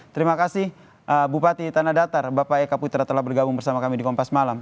terima kasih bupati tanah datar bapak eka putra telah bergabung bersama kami di kompas malam